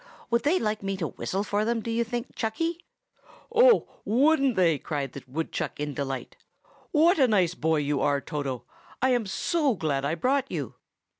Would they like me to whistle for them, do you think, Chucky?" "Oh, wouldn't they!" cried the woodchuck in delight. "What a nice boy you are, Toto! I am so glad I brought you!"